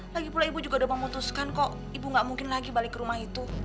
lagi pula ibu juga udah memutuskan kok ibu gak mungkin lagi balik ke rumah itu